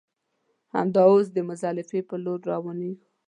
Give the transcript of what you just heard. همدا اوس د مزدلفې پر لور روانېږو.